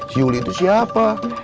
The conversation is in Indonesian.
si yuli itu siapa